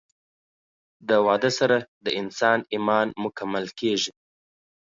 د واده سره د انسان ايمان مکمل کيږي